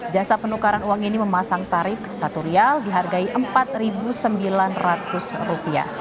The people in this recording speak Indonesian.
jasa penukaran uang ini memasang tarif satu dihargai rp empat sembilan ratus